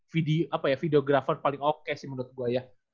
video apa ya videographer paling oke sih menurut gua ya